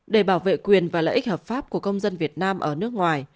để bảo vệ quyền và lợi ích hợp pháp của công dân việt nam ở nước ngoài